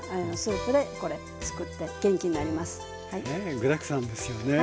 具だくさんですよね。